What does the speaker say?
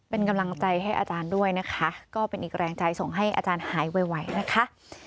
เป็นกำลังใจให้อาจารย์ด้วยนะคะก็เป็นอีกแรงใจส่งให้อาจารย์หายไวนะคะ